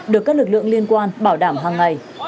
được các lực lượng liên quan bảo đảm hàng ngày